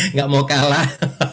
nggak mau kalah